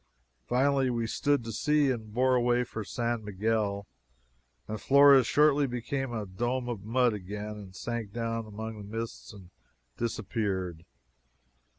Finally we stood to sea and bore away for San Miguel, and Flores shortly became a dome of mud again and sank down among the mists, and disappeared.